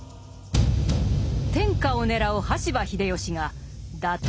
天下を狙う羽柴秀吉が打倒